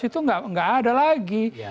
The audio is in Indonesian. dua dua belas itu nggak ada lagi